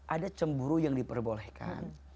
ada cemburu yang diperbolehkan